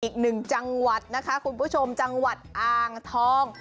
อีกหนึ่งจังหวัดนะคะคุณผู้ชมจังหวัดอ่างทอง